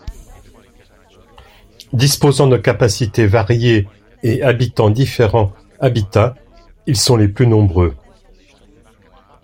Disposant de capacités variées et habitant différents habitats, ils sont les plus nombreux.